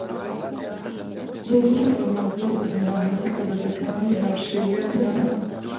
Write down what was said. گۆگڵ و ئەمازۆن بە هەماهەنگی قەدەغەکردنی هاوشێوەیان داناوە.